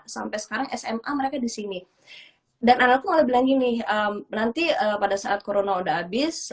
sampai sekarang sma mereka di sini dan anakku malah bilang gini nanti pada saat corona udah habis